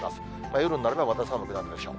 夜になれば、また寒くなるでしょう。